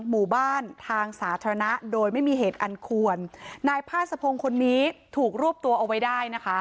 หมู่บ้านทางสาธารณะโดยไม่มีเหตุอันควรนายพาสะพงศ์คนนี้ถูกรวบตัวเอาไว้ได้นะคะ